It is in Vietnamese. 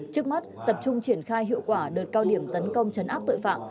trước mắt tập trung triển khai hiệu quả đợt cao điểm tấn công chấn áp tội phạm